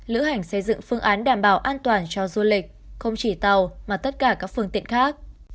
lữ hành xây dựng phương án đảm bảo an toàn cho du lịch không chỉ tàu mà tất cả các phương tiện khác